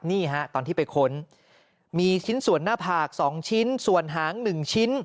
นี่ฮะตอนที่ไปค้นมีชิ้นส่วนหน้าผาก๒ชิ้นส่วนหาง๑ชิ้น